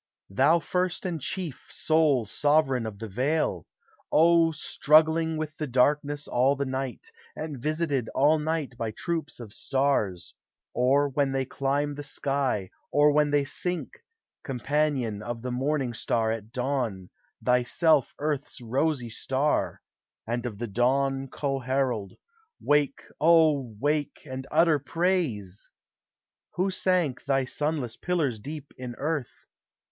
Thou first and chief, sole sovereign of the vale ! O, struggling with the darkness all the night, And visited all mgfyt by troops of stars, Or when they climb the sky, or when they sink, Companion of the morning star at dawn, Thyself Earth's rosy star, and of the dawn Co herald, — wake, O, wake, and utter praise ! Who sank thy sunless pillars deep in earth?